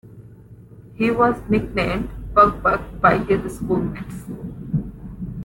He was nicknamed "Buck-Buck" by his schoolmates.